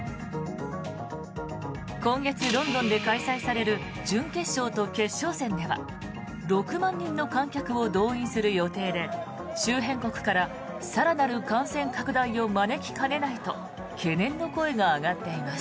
今月ロンドンで開催される準決勝と決勝戦では６万人の観客を動員する予定で周辺国から更なる感染拡大を招きかねないと懸念の声が上がっています。